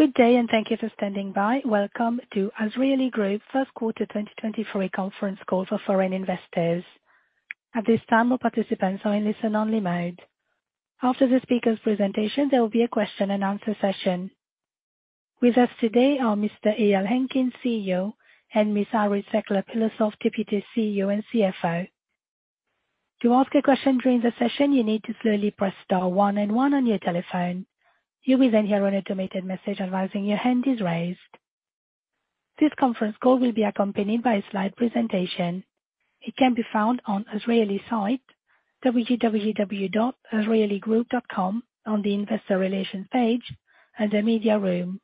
Good day, thank you for standing by. Welcome to Azrieli Group first quarter 2023 conference call for foreign investors. At this time, all participants are in listen-only mode. After the speaker's presentation, there will be a question and answer session. With us today are Mr. Eyal Henkin, CEO, and Ms. Irit Sekler-Pilosof, Deputy CEO and CFO. To ask a question during the session, you need to slowly press star one and one on your telephone. You will then hear an automated message advising your hand is raised. This conference call will be accompanied by a slide presentation. It can be found on Azrieli site, www.azrieligroup.com on the Investor Relations page and the Media Room.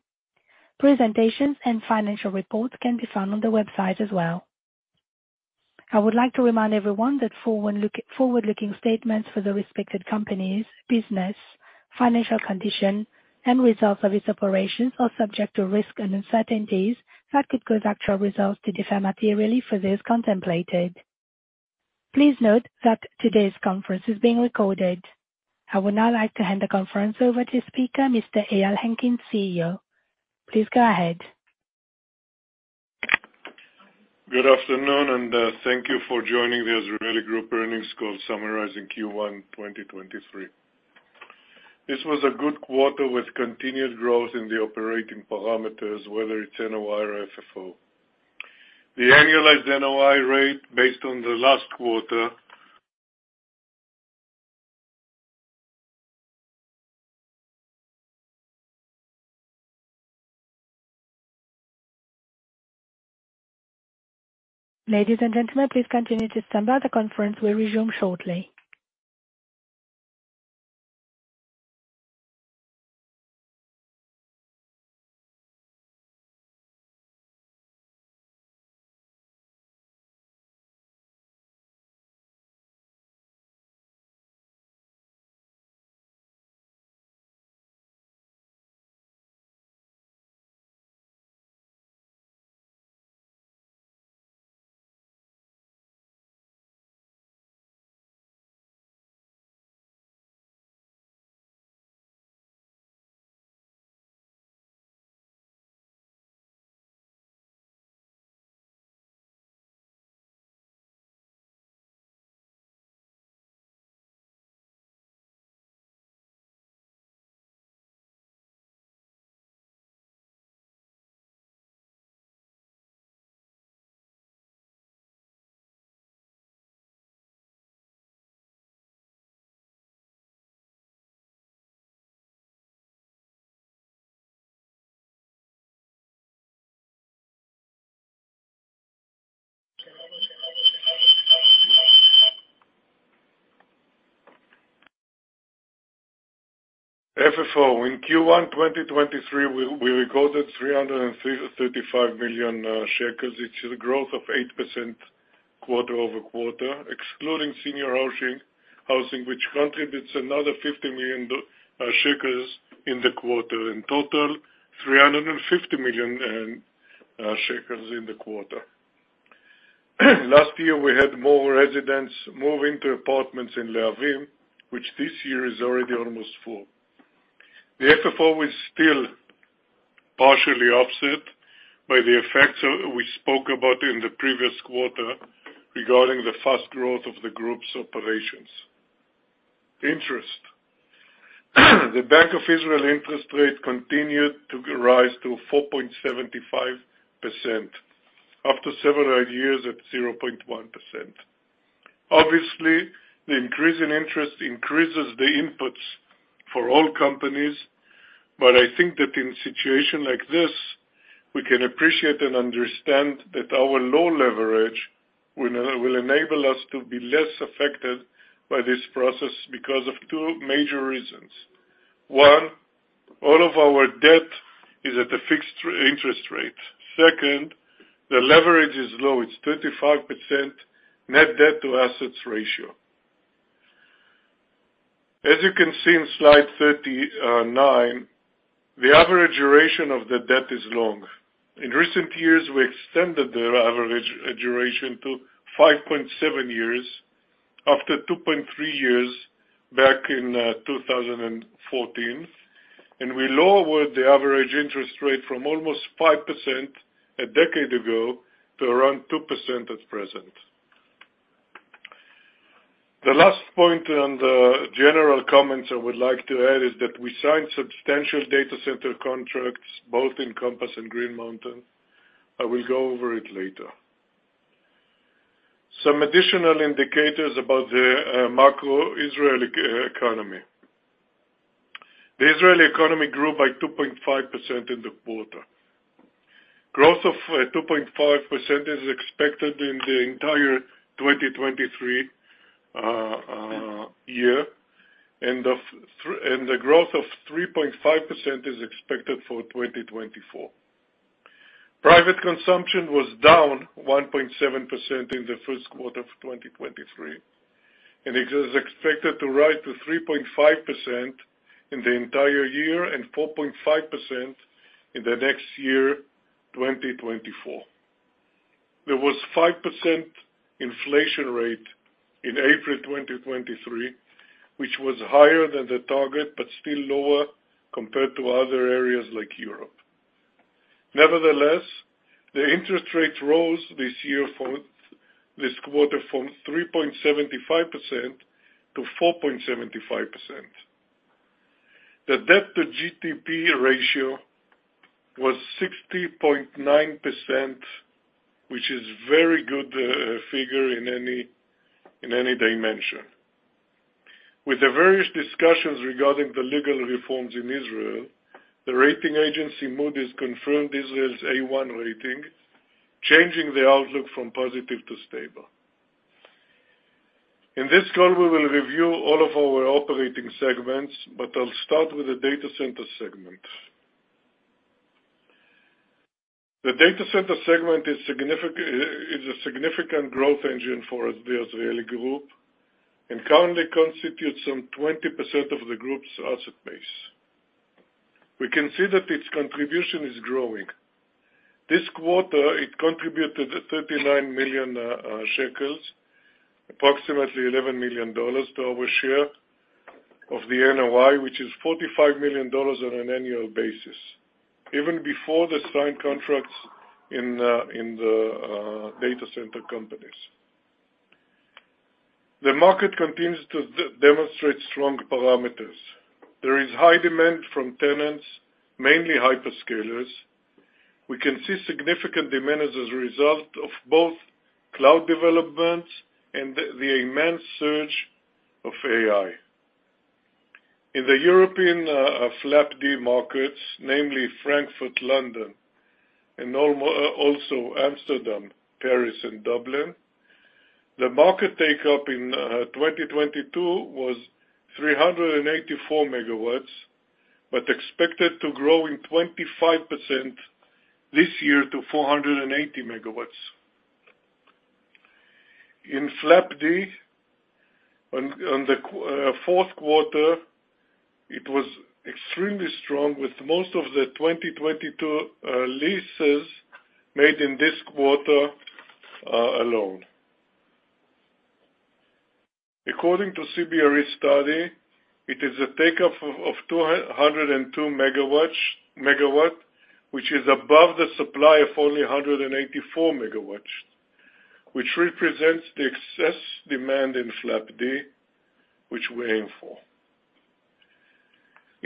Presentations and financial reports can be found on the website as well. I would like to remind everyone that forward-looking statements for the respected company's business, financial condition, and results of its operations are subject to risks and uncertainties that could cause actual results to differ materially for this contemplated. Please note that today's conference is being recorded. I would now like to hand the conference over to speaker, Mr. Eyal Henkin, CEO. Please go ahead. Good afternoon. Thank you for joining the Azrieli Group earnings call summarizing Q1, 2023. This was a good quarter with continued growth in the operating parameters, whether it's NOI or FFO. The annualized NOI rate based on the last quarter... Ladies and gentlemen, please continue to stand by. The conference will resume shortly. FFO. In Q1 2023, we recorded 335 million shekels, which is a growth of 8% quarter-over-quarter, excluding senior housing which contributes another 50 million shekels in the quarter. In total, 350 million shekels in the quarter. Last year, we had more residents move into apartments in Lehavim, which this year is already almost full. The FFO is still partially offset by the effects we spoke about in the previous quarter regarding the fast growth of the group's operations. Interest. The Bank of Israel interest rate continued to rise to 4.75% after several years at 0.1%. The increase in interest increases the inputs for all companies, but I think that in situation like this, we can appreciate and understand that our low leverage will enable us to be less affected by this process because of two major reasons. One, all of our debt is at a fixed interest rate. Second, the leverage is low. It's 35% net debt to assets ratio. As you can see in slide 39, the average duration of the debt is long. In recent years, we extended the average duration to 5.7 years after 2.3 years back in 2014, and we lowered the average interest rate from almost 5% a decade ago to around 2% at present. The last point and general comments I would like to add is that we signed substantial data center contracts both in Compass and Green Mountain. I will go over it later. Some additional indicators about the macro Israeli economy. The Israeli economy grew by 2.5% in the quarter. Growth of 2.5% is expected in the entire 2023 year, and the growth of 3.5% is expected for 2024. Private consumption was down 1.7% in the first quarter of 2023, and it is expected to rise to 3.5% in the entire year and 4.5% in the next year, 2024. There was 5% inflation rate in April 2023, which was higher than the target, but still lower compared to other areas like Europe. Nevertheless, the interest rate rose this year from this quarter from 3.75%-4.75%. The debt-to-GDP ratio was 60.9%, which is very good figure in any, in any dimension. With the various discussions regarding the legal reforms in Israel, the rating agency, Moody's, confirmed Israel's A1 rating, changing the outlook from positive to stable. In this call, we will review all of our operating segments, but I'll start with the data center segment. The data center segment is a significant growth engine for the Azrieli Group and currently constitutes some 20% of the group's asset base. We can see that its contribution is growing. This quarter, it contributed 39 million shekels, approximately $11 million to our share of the NOI, which is $45 million on an annual basis, even before the signed contracts in the data center companies. The market continues to demonstrate strong parameters. There is high demand from tenants, mainly hyperscalers. We can see significant demand as a result of both cloud developments and the immense surge of AI. In the European FLAP-D markets, namely Frankfurt, London, and also Amsterdam, Paris and Dublin, the market take-up in 2022 was 384 MW, expected to grow 25% this year to 480 MW. In FLAP-D on the fourth quarter, it was extremely strong with most of the 2022 leases made in this quarter alone. According to CBRE study, it is a take-up of 202 MW, which is above the supply of only 184 MW, which represents the excess demand in FLAP-D which we aim for.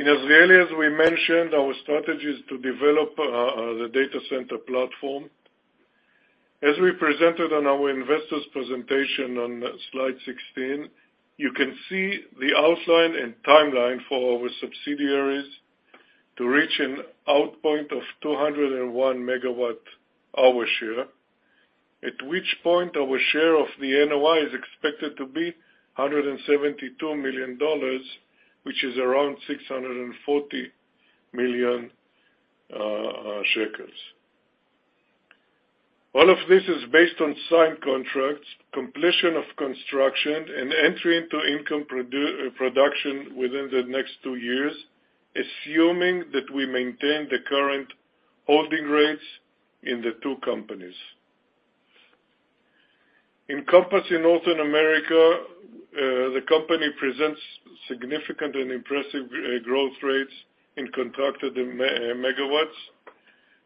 In Israel, as we mentioned, our strategy is to develop the data center platform. We presented on our investors presentation on slide 16, you can see the outline and timeline for our subsidiaries to reach an output of 201 MWh share, at which point our share of the NOI is expected to be $172 million, which is around ILS 640 million. All of this is based on signed contracts, completion of construction and entry into income production within the next two years, assuming that we maintain the current holding rates in the two companies. In Compass, in Northern America, the company presents significant and impressive growth rates in contracted megawatts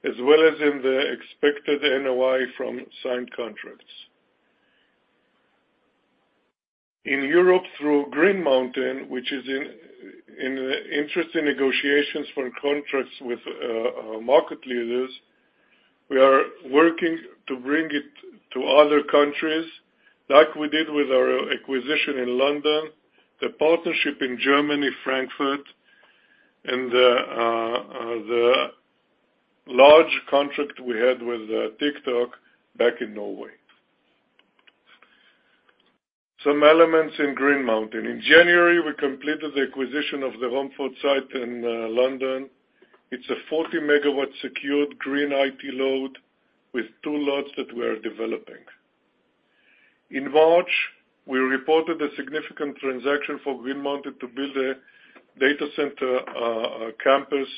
as well as in the expected NOI from signed contracts. In Europe through Green Mountain, which is in interesting negotiations for contracts with market leaders, we are working to bring it to other countries like we did with our acquisition in London, the partnership in Germany, Frankfurt, and the large contract we had with TikTok back in Norway. Some elements in Green Mountain. In January, we completed the acquisition of the Romford site in London. It's a 40 megawatt secured green IT load with 2 lots that we are developing. In March, we reported a significant transaction for Green Mountain to build a data center campus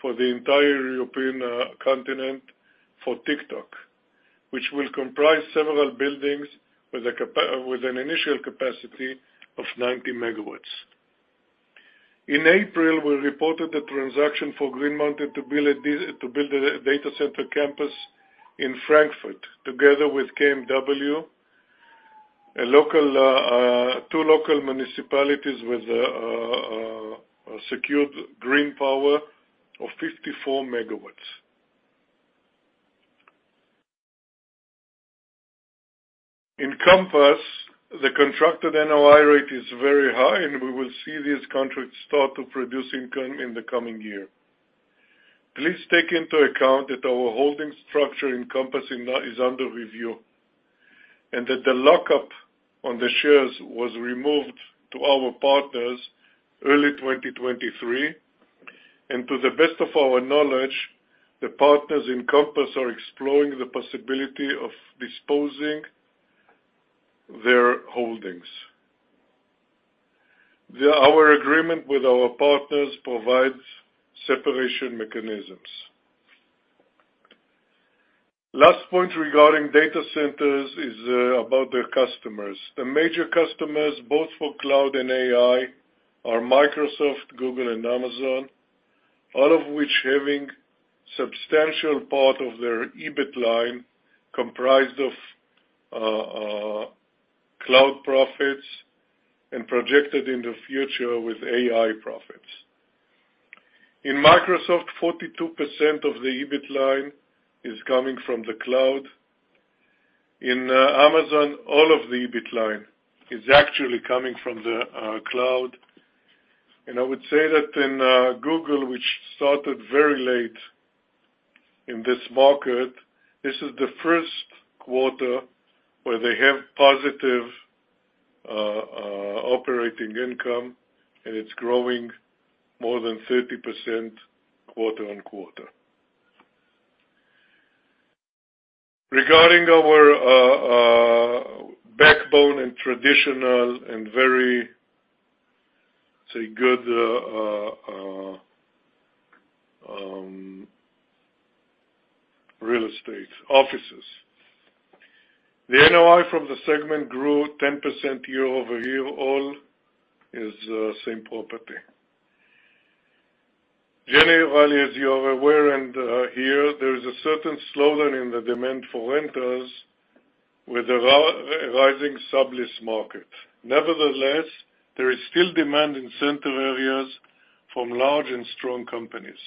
for the entire European continent for TikTok, which will comprise several buildings with an initial capacity of 90 MW. In April, we reported the transaction for Green Mountain to build a data center campus in Frankfurt together with KMW, a local, two local municipalities with secured green power of 54 MW. In Compass, the contracted NOI rate is very high, and we will see these contracts start to produce income in the coming year. Please take into account that our holding structure in Compass is under review, and that the lockup on the shares was removed to our partners early 2023. To the best of our knowledge, the partners in Compass are exploring the possibility of disposing their holdings. Our agreement with our partners provides separation mechanisms. Last point regarding data centers is about their customers. The major customers, both for cloud and AI, are Microsoft, Google, and Amazon, all of which having substantial part of their EBIT line comprised of cloud profits and projected in the future with AI profits. In Microsoft, 42% of the EBIT line is coming from the cloud. In Amazon, all of the EBIT line is actually coming from the cloud. I would say that in Google, which started very late in this market, this is the first quarter where they have positive operating income, and it's growing more than 30% quarter on quarter. Regarding our backbone and traditional and very good real estate offices. The NOI from the segment grew 10% year-over-year, all is same-property. Generally, while as you are aware and here, there is a certain slowdown in the demand for renters with a rising sublease market. Nevertheless, there is still demand in center areas from large and strong companies.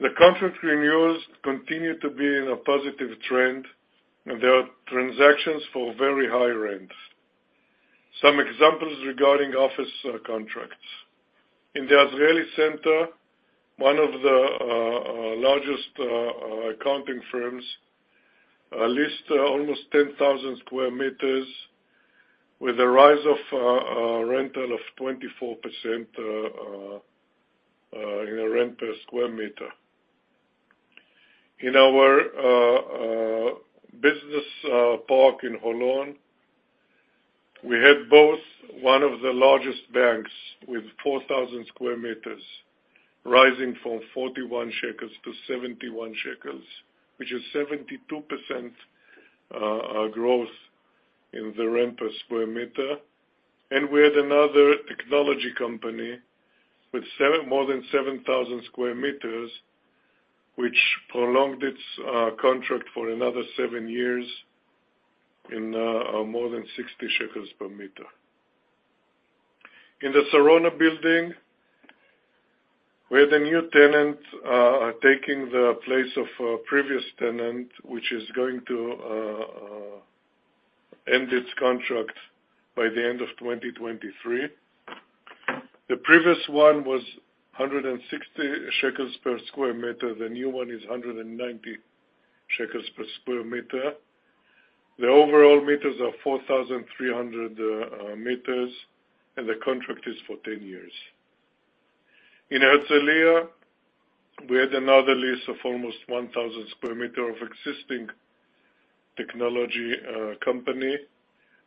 The contract renewals continue to be in a positive trend, and there are transactions for very high rents. Some examples regarding office contracts. In the Azrieli Center, one of the largest accounting firms leased almost 10,000 sq m with a rise of rental of 24% in rent per sq m. In our business park in Holon, we had both one of the largest banks with 4,000 sq m rising from 41 shekels to 71 shekels, which is 72% growth in the rent per sq m. We had another technology company with more than 7,000 sq m, which prolonged its contract for another seven years in more than 60 shekels per m. In the Sarona building, we have the new tenants taking the place of a previous tenant, which is going to end its contract by the end of 2023. The previous one was 160 shekels per sq m. The new one is 190 shekels per sq m. The overall meters are 4,300 m, and the contract is for 10 years. In Herzliya, we had another lease of almost 1,000 sq m of existing technology company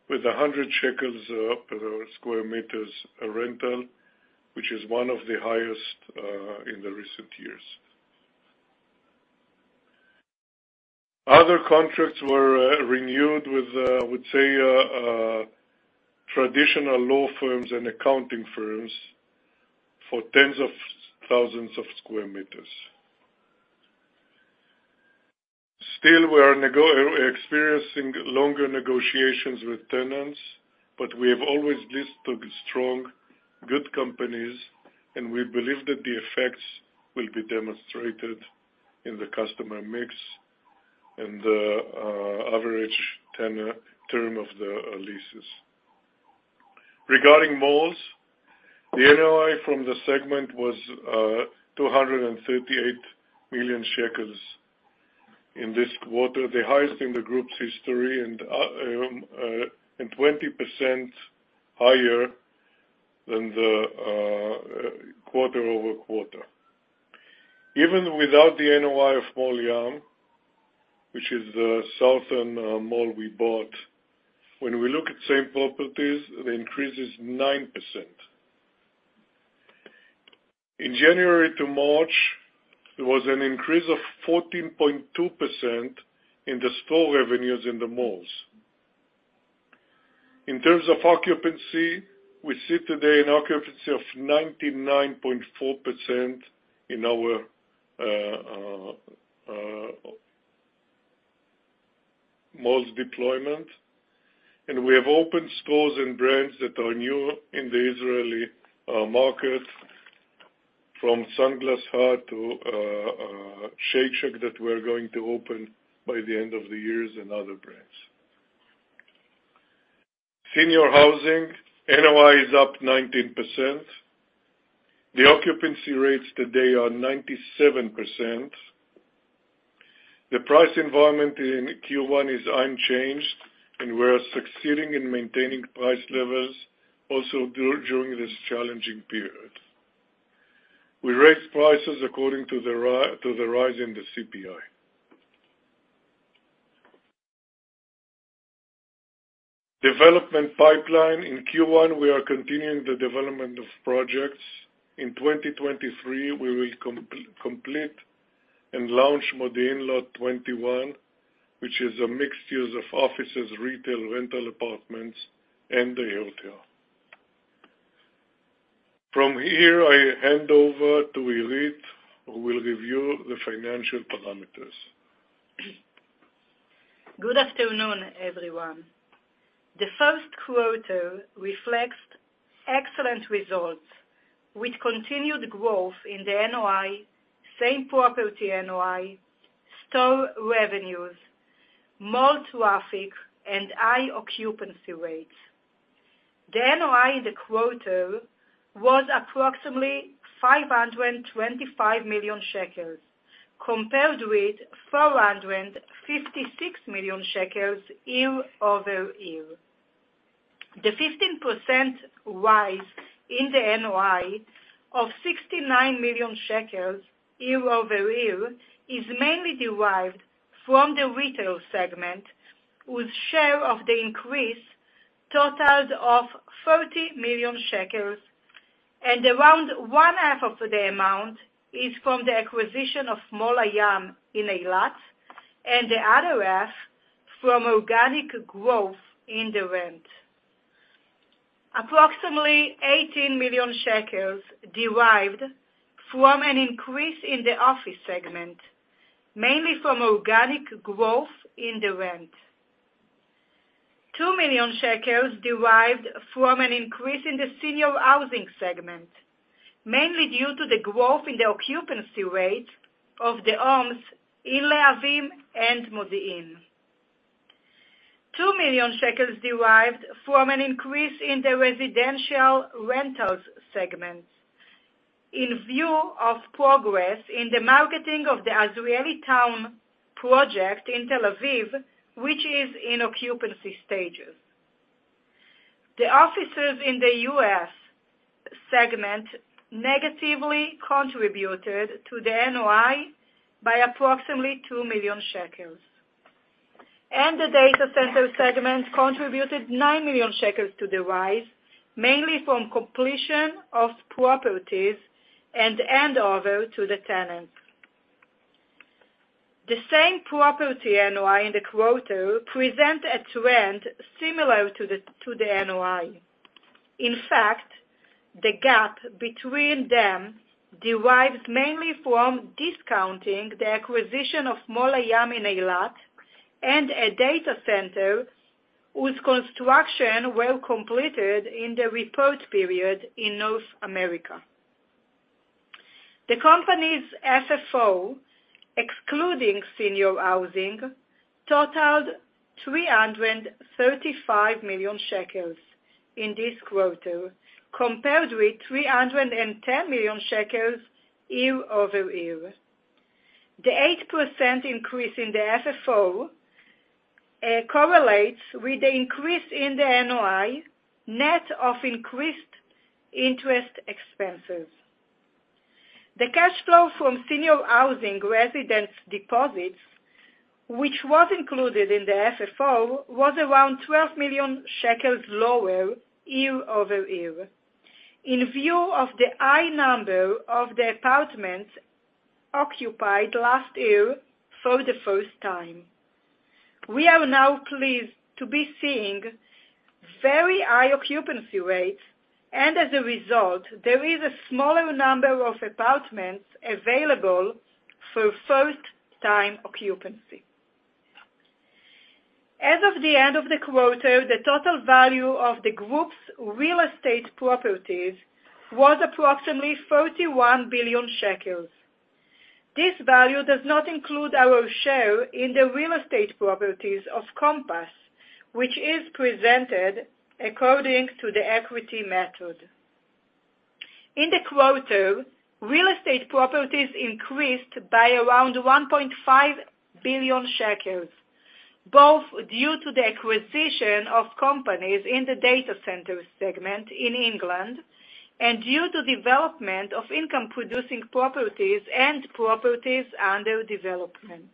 with 100 shekels per sq m rental, which is one of the highest in the recent years. Other contracts were renewed with I would say traditional law firms and accounting firms for tens of thousands of square meters. Still, we are experiencing longer negotiations with tenants, but we have always leased to strong, good companies, and we believe that the effects will be demonstrated in the customer mix and average term of the leases. Regarding malls, the NOI from the segment was 238 million shekels in this quarter, the highest in the group's history and 20% higher than the quarter-over-quarter. Even without the NOI of Mall Hayam, which is the southern mall we bought, when we look at same properties, the increase is 9%. In January to March, there was an increase of 14.2% in the store revenues in the malls. In terms of occupancy, we sit today in occupancy of 99.4% in our malls deployment. We have opened stores and brands that are new in the Israeli market, from Sunglass Hut to Shake Shack that we're going to open by the end of the year and other brands. Senior housing, NOI is up 19%. The occupancy rates today are 97%. The price environment in Q1 is unchanged, and we are succeeding in maintaining price levels also during this challenging period. We raised prices according to the rise in the CPI. Development pipeline. In Q1, we are continuing the development of projects. In 2023, we will complete and launch Modiin Lot 21, which is a mixed use of offices, retail, rental apartments, and a hotel. From here, I hand over to Irit, who will review the financial parameters. Good afternoon, everyone. The first quarter reflects excellent results with continued growth in the NOI, same-property NOI, store revenues, mall traffic, and high occupancy rates. The NOI in the quarter was approximately 525 million shekels compared with 456 million shekels year-over-year. The 15% rise in the NOI of 69 million shekels year-over-year is mainly derived from the retail segment, with share of the increase totaled of 30 million shekels, and around one half of the amount is from the acquisition of Mall Hayam in Eilat, and the other half from organic growth in the rent. Approximately 18 million shekels derived from an increase in the office segment, mainly from organic growth in the rent. 2 million shekels derived from an increase in the senior housing segment, mainly due to the growth in the occupancy rate of the homes in Lehavim and Modiin. 2 million shekels derived from an increase in the residential rentals segments in view of progress in the marketing of the Azrieli Town project in Tel Aviv, which is in occupancy stages. The offices in the U.S. segment negatively contributed to the NOI by approximately 2 million shekels. The data center segment contributed 9 million shekels to the rise, mainly from completion of properties and handover to the tenants. The same-property NOI in the quarter present a trend similar to the NOI. In fact, the gap between them derives mainly from discounting the acquisition of Mall Hayam in Eilat and a data center whose construction were completed in the report period in North America. The company's FFO, excluding senior housing, totaled 335 million shekels in this quarter compared with 310 million shekels year-over-year. The 8% increase in the FFO correlates with the increase in the NOI net of increased interest expenses. The cash flow from senior housing residents deposits, which was included in the FFO, was around 12 million shekels lower year-over-year in view of the high number of the apartments occupied last year for the first time. We are now pleased to be seeing very high occupancy rates, and as a result, there is a smaller number of apartments available for first-time occupancy. As of the end of the quarter, the total value of the group's real estate properties was approximately 31 billion shekels. This value does not include our share in the real estate properties of Compass, which is presented according to the equity method. In the quarter, real estate properties increased by around 1.5 billion shekels, both due to the acquisition of companies in the data center segment in England and due to development of income-producing properties and properties under development.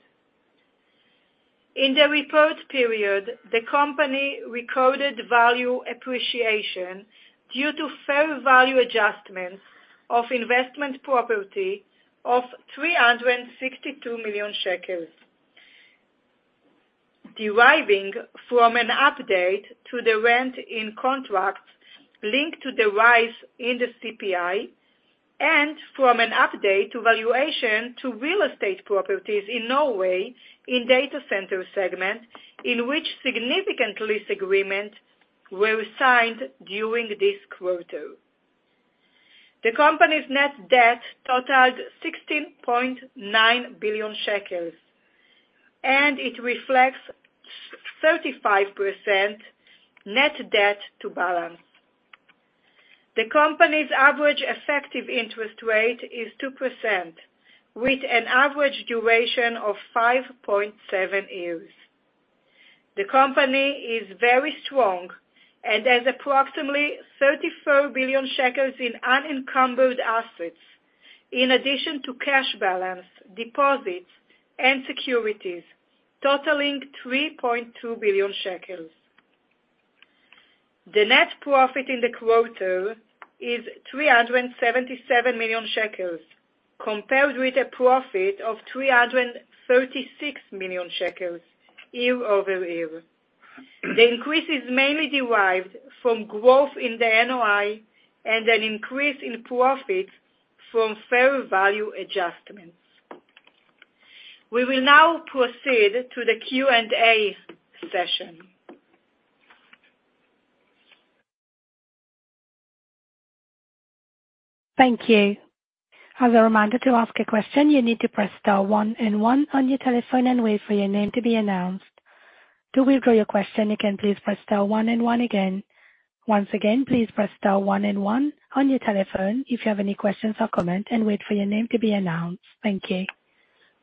In the report period, the company recorded value appreciation due to fair value adjustments of investment property of 362 million shekels, deriving from an update to the rent in contracts linked to the rise in the CPI and from an update to valuation to real estate properties in Norway in data center segment in which significant lease agreement were signed during this quarter. The company's net debt totaled 16.9 billion shekels. It reflects 35% net debt to balance. The company's average effective interest rate is 2% with an average duration of 5.7 years. The company is very strong and has approximately 34 billion shekels in unencumbered assets, in addition to cash balance, deposits, and securities totaling 3.2 billion shekels. The net profit in the quarter is 377 million shekels compared with a profit of 336 million shekels year-over-year. The increase is mainly derived from growth in the NOI and an increase in profit from fair value adjustments. We will now proceed to the Q&A session. Thank you. As a reminder, to ask a question, you need to press star one and one on your telephone and wait for your name to be announced. To withdraw your question, you can please press star one and one again. Once again, please press star one and one on your telephone if you have any questions or comment, and wait for your name to be announced. Thank you.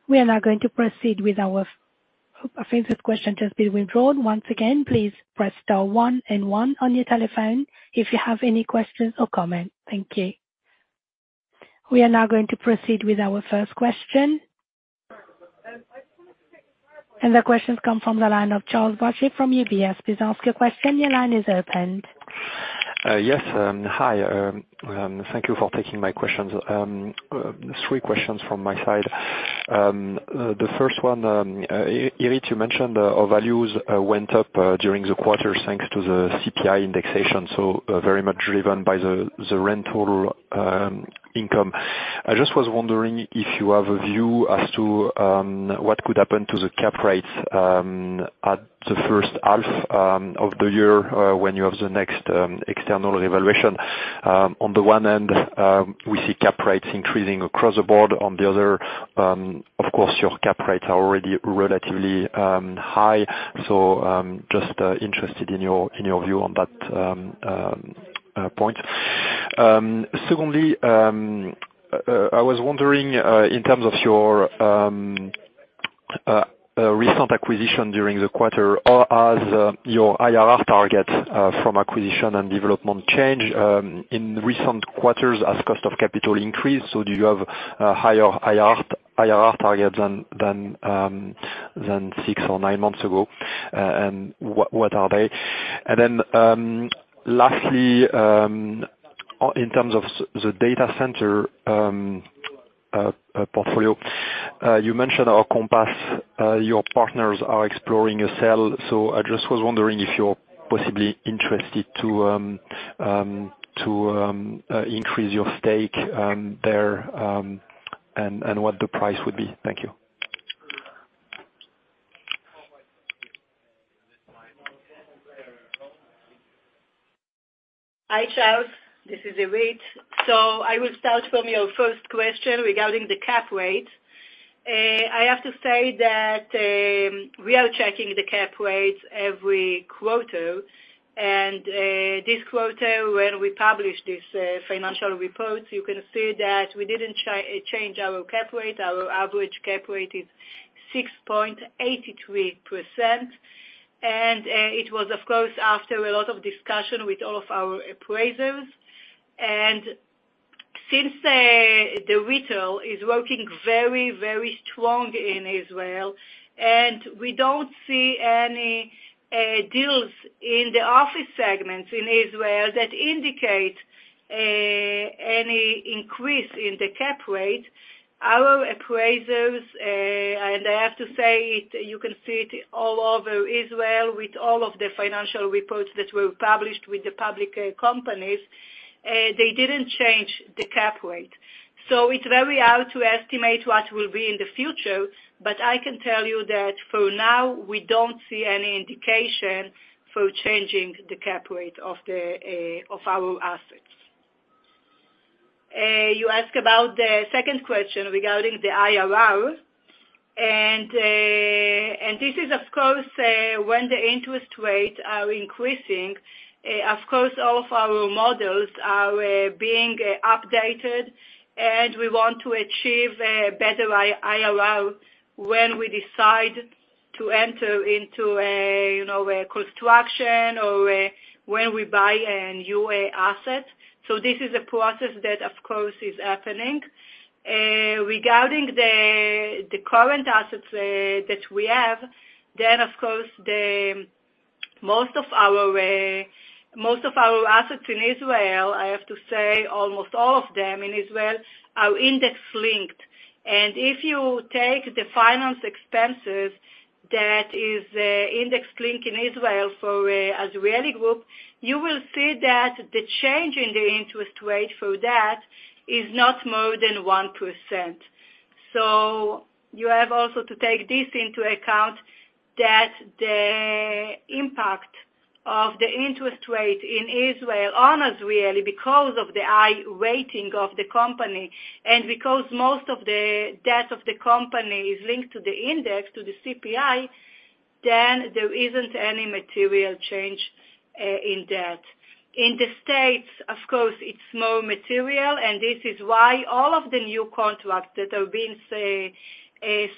We are now going to proceed with I think this question has been withdrawn. Once again, please press star one and one on your telephone if you have any questions or comment. Thank you. We are now going to proceed with our first question. The question's come from the line of Charles Boissier from UBS. Please ask your question. Your line is opened. Yes. Hi. Thank you for taking my questions. Three questions from my side. The first one, Irit, you mentioned our values went up during the quarter thanks to the CPI indexation, so very much driven by the rental income. I just was wondering if you have a view as to what could happen to the cap rates at the first half of the year when you have the next external evaluation. On the one end, we see cap rates increasing across the board. On the other, of course, your cap rates are already relatively high. Just interested in your, in your view on that point. Secondly, I was wondering in terms of your recent acquisition during the quarter, or as your IRR targets from acquisition and development change in recent quarters as cost of capital increased. Do you have a higher IRR target than six or nine months ago, and what are they? Lastly, in terms of the data center portfolio, you mentioned our Compass, your partners are exploring a sale. I just was wondering if you're possibly interested to increase your stake there, and what the price would be. Thank you. Hi, Charles Boissier. This is Irit Sekler-Pilosof. I will start from your first question regarding the cap rate. I have to say that we are checking the cap rates every quarter. This quarter, when we publish this financial report, you can see that we didn't change our cap rate. Our average cap rate is 6.83%. It was, of course, after a lot of discussion with all of our appraisers. Since, the retail is working very, very strong in Israel, and we don't see any deals in the office segments in Israel that indicate any increase in the cap rate, our appraisers, and I have to say it, you can see it all over Israel with all of the financial reports that were published with the public companies, they didn't change the cap rate. It's very hard to estimate what will be in the future, but I can tell you that for now, we don't see any indication for changing the cap rate of our assets. You ask about the second question regarding the IRR, and this is of course, when the interest rates are increasing, of course, all of our models are being updated, and we want to achieve a better IRR when we decide to enter into a, you know, a construction or when we buy a new asset. This is a process that, of course, is happening. Regarding the current assets that we have, of course, most of our assets in Israel, I have to say almost all of them in Israel, are index-linked. If you take the finance expenses that is index-linked in Israel for Azrieli Group, you will see that the change in the interest rate for that is not more than 1%. You have also to take this into account that the impact of the interest rate in Israel on Azrieli, because of the high rating of the company and because most of the debt of the company is linked to the index, to the CPI, there isn't any material change in debt. In the States, of course, it's more material, this is why all of the new contracts that have been, say,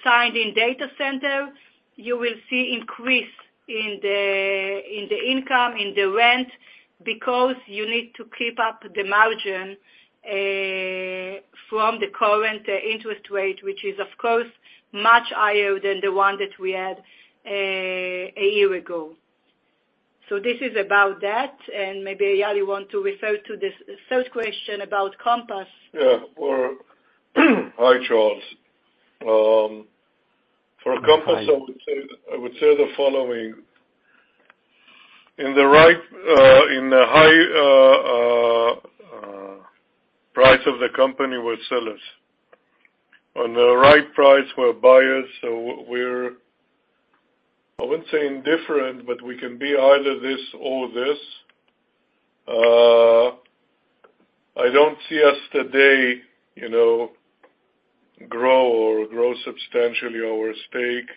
signed in data center, you will see increase in the, in the income, in the rent because you need to keep up the margin from the current interest rate which is of course much higher than the one that we had a year ago. This is about that, maybe, Eyal, you want to refer to this third question about Compass. Yeah. Well, hi, Charles. Hi. I would say the following. In the right, in the high price of the company we're sellers. On the right price we're buyers. I wouldn't say indifferent but we can be either this or this. I don't see us today, you know, grow or grow substantially our stake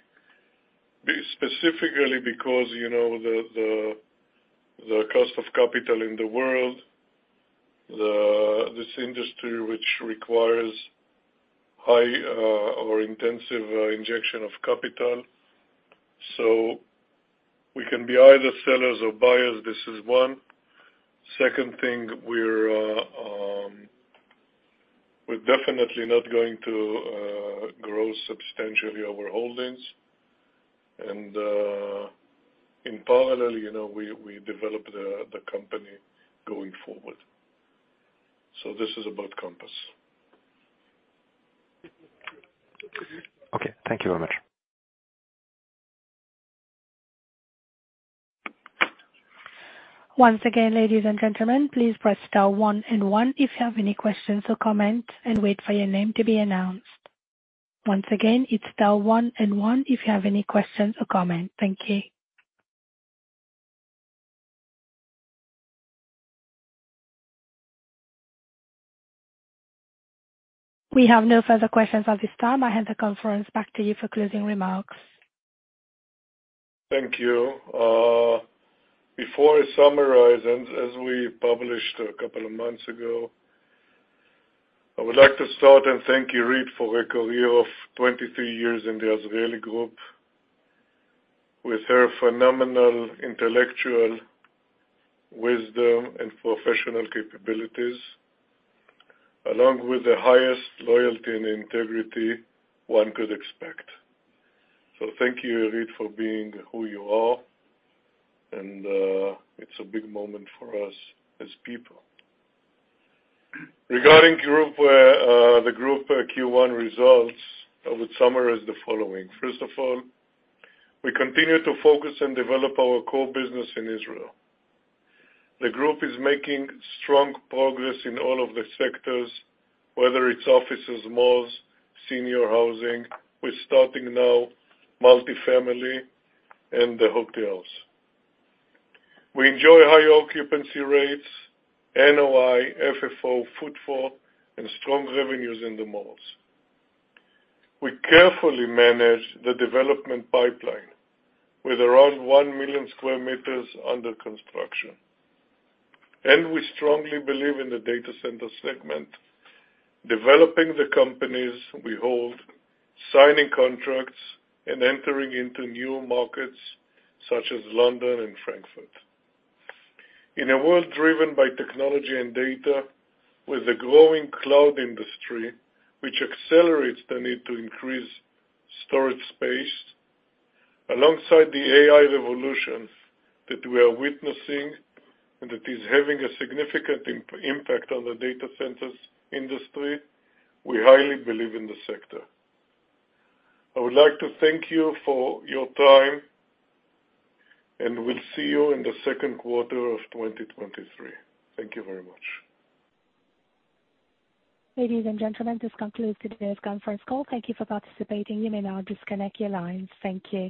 specifically because, you know, the cost of capital in the world, this industry which requires high or intensive injection of capital. We can be either sellers or buyers. This is one. Second thing, we're definitely not going to grow substantially our holdings and in parallel, you know, we develop the company going forward. This is about Compass. Okay. Thank you very much. Once again, ladies and gentlemen, please press star one and one if you have any questions or comments and wait for your name to be announced. Once again, it's star one and one if you have any questions or comments. Thank you. We have no further questions at this time. I hand the conference back to you for closing remarks. Thank you. Before I summarize and as we published a couple of months ago, I would like to start and thank Irit for her career of 23 years in the Azrieli Group with her phenomenal intellectual wisdom and professional capabilities along with the highest loyalty and integrity one could expect. Thank you, Irit, for being who you are and it's a big moment for us as people. Regarding the group Q1 results, I would summarize the following. First of all, we continue to focus and develop our core business in Israel. The group is making strong progress in all of the sectors, whether it's offices, malls, senior housing. We're starting now multifamily and the hotels. We enjoy high occupancy rates, NOI, FFO, footfall, and strong revenues in the malls. We carefully manage the development pipeline with around 1 million sq m under construction. We strongly believe in the data center segment, developing the companies we hold, signing contracts, and entering into new markets such as London and Frankfurt. In a world driven by technology and data with a growing cloud industry which accelerates the need to increase storage space alongside the AI revolution that we are witnessing and that is having a significant impact on the data centers industry, we highly believe in the sector. I would like to thank you for your time and we'll see you in the second quarter of 2023. Thank you very much. Ladies and gentlemen, this concludes today's conference call. Thank you for participating. You may now disconnect your lines. Thank you.